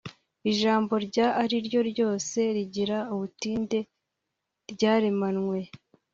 ijambo irya ari ryo ryose rigira ubutinde ryaremanywe